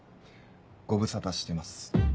ご無沙汰しています。